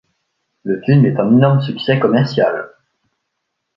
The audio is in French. Le film est un énorme succès commercial.